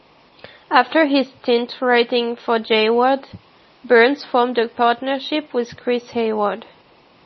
After his stint writing for Jay Ward, Burns formed a partnership with Chris Hayward.